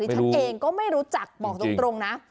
ฉันเองก็ไม่รู้จักบอกตรงนะ